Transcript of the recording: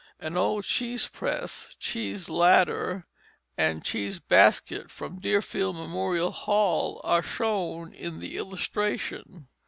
An old cheese press, cheese ladder, and cheese basket from Deerfield Memorial Hall are shown in the illustration.